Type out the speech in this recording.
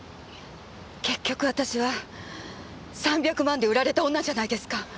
結局私は３００万で売られた女じゃないですか。